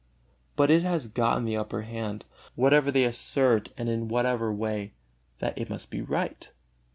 But it has gotten the upper hand: whatever they assert and in whatever way, that must be right.